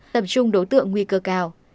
tầm trung đối tượng nguy cơ cao